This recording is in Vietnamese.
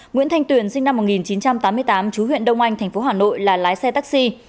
nguyễn thanh tuyền sinh năm một nghìn chín trăm tám mươi tám chú huyện đông anh thành phố hà nội là lái xe taxi